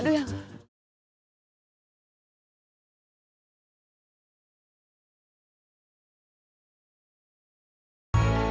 serbia band jackson